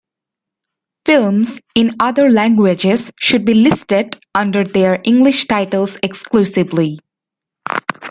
Films in other languages should be listed under their English titles exclusively.